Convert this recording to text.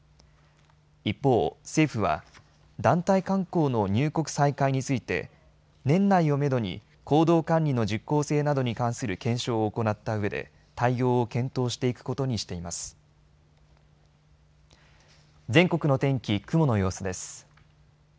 一方、政府は団体観光の入国再開について年内をめどに行動管理の実効性などに関する検証を行ったうえで対応を検討していくことにしています。全国の天気、雲の様子です。